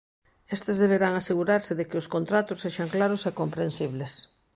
Estes deberán asegurarse de que os contratos sexan claros e comprensibles.